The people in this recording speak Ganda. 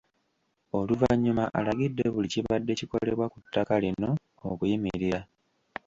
Oluvannyuma alagidde buli kibadde kukolebwa ku ttaka lino okuyimirira